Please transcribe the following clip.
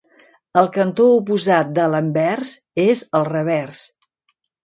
El cantó oposat de l'anvers és el revers.